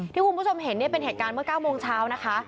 ที่คุณผู้ชมเห็นเป็นแห่งการเมื่อ๙โมงเช้านะคะ